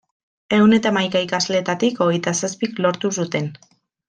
Ehun eta hamaika ikasleetatik hogeita zazpik lortu zuten.